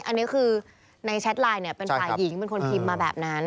อันนี้คือในแชทไลน์เนี่ยเป็นฝ่ายหญิงเป็นคนพิมพ์มาแบบนั้น